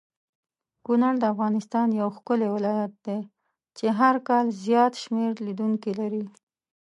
کونړ دافغانستان یو ښکلی ولایت دی چی هرکال زیات شمیر لیدونکې لری